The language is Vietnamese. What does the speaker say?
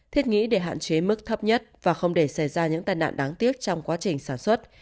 thiết nghĩ để hạn chế mức thấp nhất và không để xảy ra những tai nạn đáng tiếc trong quá trình sản xuất